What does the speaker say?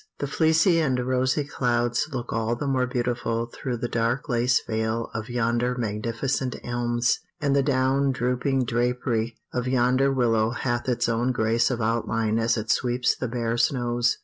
The fleecy and rosy clouds look all the more beautiful through the dark lace veil of yonder magnificent elms; and the down drooping drapery of yonder willow hath its own grace of outline as it sweeps the bare snows.